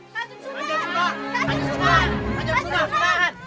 kanjang sunan kanjang sunan